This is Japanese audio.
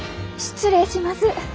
失礼します。